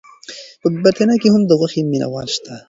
په بریتانیا کې هم د غوښې مینه وال شته.